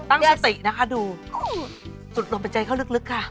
ตั้งสตินะคะดูสดหลบใจเขาลึกไปลึกค่ะ